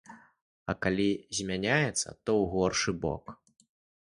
А калі змяняецца, то ў горшы бок.